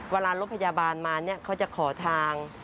เวลารถพยาบาลมาเนี่ยเขาจะขอทาง